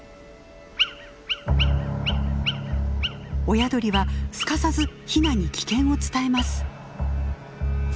親鳥はすかさずヒナに危険を伝えます。